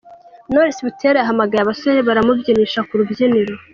Knowless Butera yahamagaye abasore baramubyinisha ku rubyiniro.